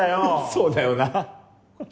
そうだよなっ。